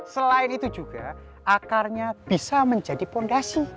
selain itu juga akarnya bisa menjadi fondasi